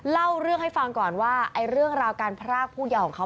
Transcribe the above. เล่าเรื่องให้ฟังก่อนว่าไอ้เรื่องราวการพรากผู้เยาว์ของเขา